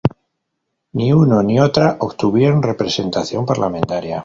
Ni uno ni otra obtuvieron representación parlamentaria.